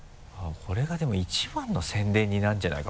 これがでも一番の宣伝になるんじゃないか？